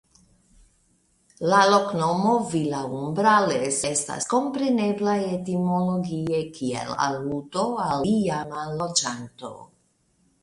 La loknomo "Villaumbrales" estas komprenebla etimologie kiel aludo al iama loĝanto.